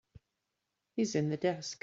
He's in the desk.